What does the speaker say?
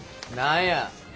何や。